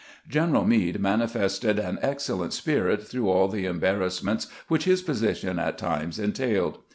General Meade manifested an excellent spirit through all the embarrassments which his position at times en tailed.